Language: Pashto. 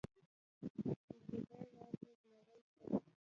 چې ګیدړ راته زمری شول.